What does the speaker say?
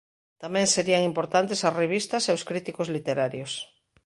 Tamén serían importantes as revistas e os críticos literarios.